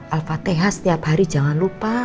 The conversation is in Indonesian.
al fatihah setiap hari jangan lupa